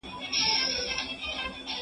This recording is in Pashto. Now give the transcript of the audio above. په بشپړ ډول تصرف کول څه معنی لري؟